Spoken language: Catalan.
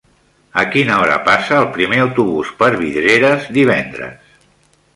A quina hora passa el primer autobús per Vidreres divendres?